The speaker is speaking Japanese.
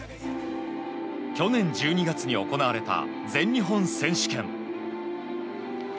去年１２月に行われた全日本選手権。